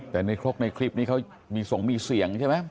แต่ในโค้กในคลิปนี้เขามีเสียงใช่ไหม